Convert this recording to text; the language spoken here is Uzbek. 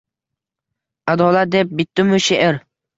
Adolat deb bitdimu she’r